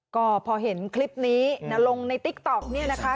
ก็พอเห็นคลิปนี้นะลงในติ๊กต๊อกเนี่ยนะคะ